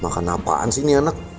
makan apaan sih ini anak